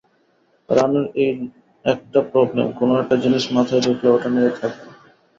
রানুর এই একটা প্রবলেম-কোনো-একটা জিনিস মাথায় ঢুকলে ওটা নিয়েই থাকবে।